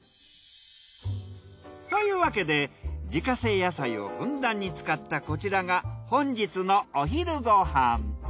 というわけで自家製野菜をふんだんに使ったこちらが本日のお昼ご飯。